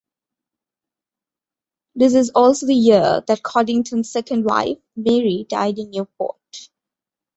This is also the year that Coddington's second wife Mary died in Newport.